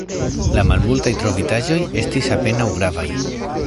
La malmultaj trovitaĵoj estis apenaŭ gravaj.